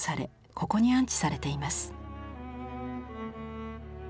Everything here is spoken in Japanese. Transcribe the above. ここに安置されています。